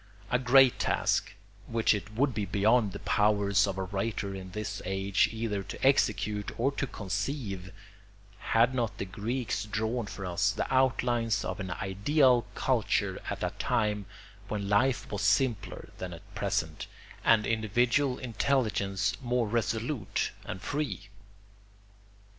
A great task, which it would be beyond the powers of a writer in this age either to execute or to conceive, had not the Greeks drawn for us the outlines of an ideal culture at a time when life was simpler than at present and individual intelligence more resolute and free.